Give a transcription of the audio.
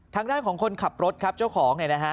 ทางด้านของคนขับรถครับเจ้าของเนี่ยนะฮะ